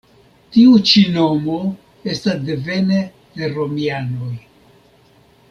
Tiu ĉi nomo estas devene de romianoj.